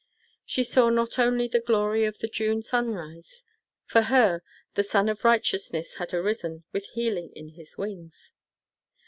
She saw not only the glory of the June sunrise; for her the "Sun of righteousness had arisen, with healing in his wings."